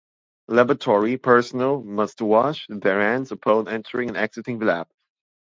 Laboratory personnel must wash their hands upon entering and exiting the lab.